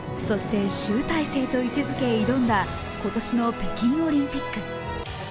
そして集大成と位置づけ挑んだ今年の北京オリンピック。